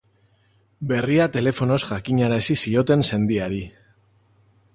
Berria telefonoz jakinarazi zioten sendiari.